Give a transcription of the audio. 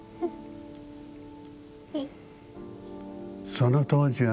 その当時はね